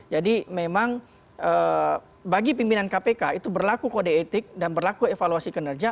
jadi memang bagi pimpinan kpk itu berlaku kode etik dan berlaku evaluasi kinerja